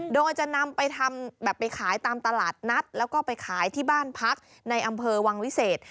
โดยจะนำไปทำแบบไปขายตามตลาดนัดแล้วก็ไปขายที่บ้านพักในอำเภอวังวิเศษ